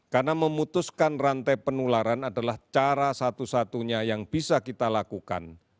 karena memutuskan rantai penularan adalah cara satu satunya yang bisa kita lakukan